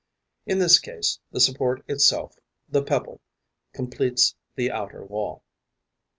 In this case, the support itself, the pebble, completes the outer wall.